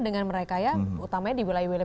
dengan mereka ya utamanya di wilayah wilayah